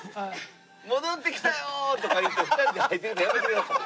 「戻ってきたよ！」とか言って２人で入っていくのやめてください。